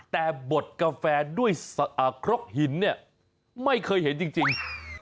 แต่บดกาแฟด้วยครกหินเนี่ยไม่เคยเห็นจริง